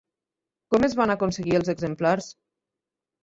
Com es van aconseguir els exemplars?